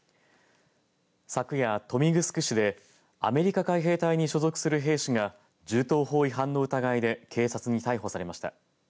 昨夜、豊見城市でアメリカ海兵隊に所属する兵士が銃刀法違反の疑いで警察に逮捕されました。